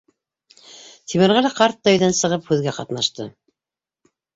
Тимерғәле ҡарт та, өйҙән сығып, һүҙгә ҡатнашты: